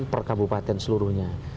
per kabupaten seluruhnya